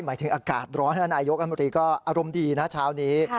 หมายถึงอากาศร้อนนายกรัฐมนตรีก็อารมณ์ดีนะเช้านี้